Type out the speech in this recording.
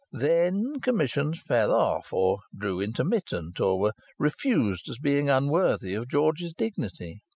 Then commissions fell off or grew intermittent, or were refused as being unworthy of George's dignity.